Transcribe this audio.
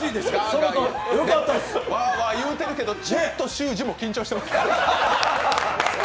わあわあ言うてるけど、川谷修士も緊張しています。